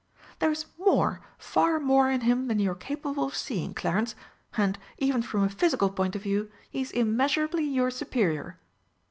"There is more far more in him than you are capable of seeing, Clarence. And, even from a physical point of view, he is immeasurably your superior."